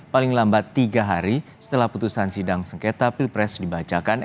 paling lambat tiga hari setelah putusan sidang sengketa pilpres dibacakan